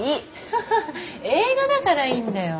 ははっ映画だからいいんだよ。